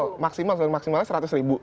eh maksimal maksimalnya seratus ribu